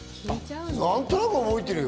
何となく覚えてるよ。